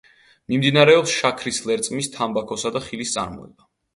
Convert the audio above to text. მიმდინარეობს შაქრის ლერწმის, თამბაქოსა და ხილის წარმოება.